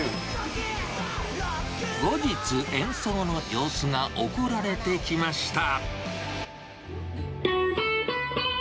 後日、演奏の様子が送られてきました。